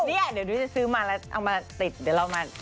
ดูอย่างนี้เดี๋ยวน้อจะซื้อมาคุณพูด